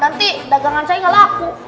nanti dagangan saya kalah aku